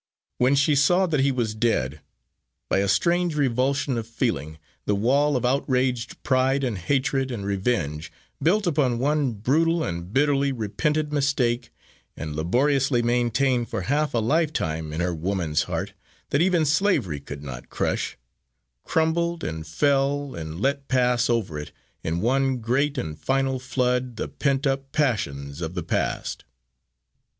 When she saw that he was dead, by a strange revulsion of feeling the wall of outraged pride and hatred and revenge, built upon one brutal and bitterly repented mistake, and labouriously maintained for half a lifetime in her woman's heart that even slavery could not crush, crumbled and fell and let pass over it in one great and final flood the pent up passions of the past.